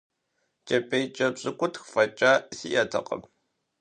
КӀэпӀейкӀэ пщыкӀутӀ фӀэкӀа сиӏэтэкъым.